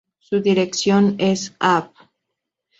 Su dirección es Av.